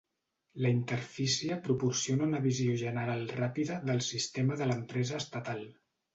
La interfície proporciona una visió general ràpida del sistema de l'empresa estatal.